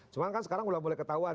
cuma kan sekarang udah mulai ketahuan